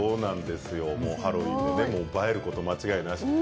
ハロウィーンで映えること間違いなし。